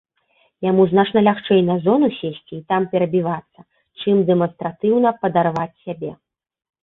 Яму значна лягчэй на зону сесці і там перабівацца, чым дэманстратыўна падарваць сябе.